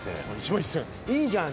いいじゃん。